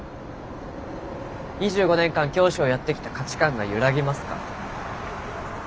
２５年間教師をやってきた価値観が揺らぎますか？